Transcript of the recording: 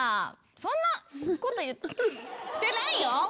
そんなことフフっ言ってないよ。